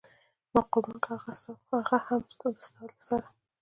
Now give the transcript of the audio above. ما قربان کړ هغه هم د ستا له سره.